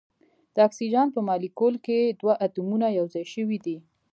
د اکسیجن په مالیکول کې دوه اتومونه یو ځای شوي دي.